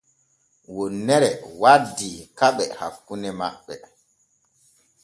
Wonnere waddi keɓe hakkune maɓɓe.